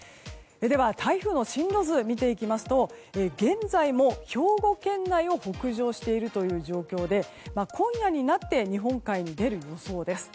台風の進路図を見ていきますと現在も兵庫県内を北上しているという状況で今夜になって日本海に出る予想です。